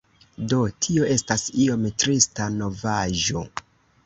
Do tio estas iom trista novaĵo